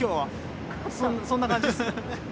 そんな感じっす。